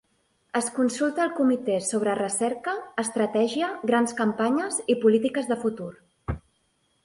Es consulta al comitè sobre recerca, estratègia, grans campanyes i polítiques de futur.